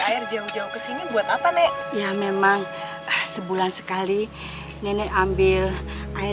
air jauh jauh kesini buat apa nek ya memang sebulan sekali nenek ambil air